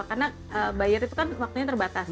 karena buyer itu kan waktunya terbatas